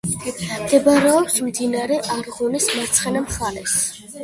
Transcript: მდებარეობს მდინარე არღუნის მარცხენა მხარეს.